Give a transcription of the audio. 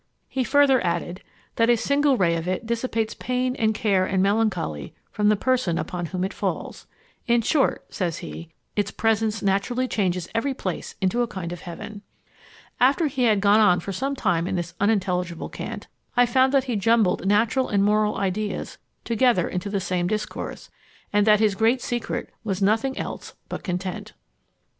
He further added, 'that a single ray of it dissipates pain and care and melancholy from the person on whom it falls. In short,' says he, 'its presence naturally changes every place into a kind of heaven.' After he had gone on for some time in this unintelligible cant, I found that he jumbled natural and moral ideas together into the same discourse, and that his great secret was nothing else but content."